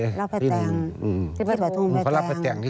เอออย่างนี้